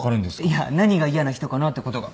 いや何が嫌な人かなってことが。